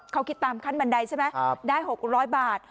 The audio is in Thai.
เขาคิดตามขั้นบันไดใช่ไหมครับได้หกร้อยบาท